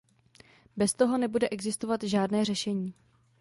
Bez toho nebude existovat žádné řešení.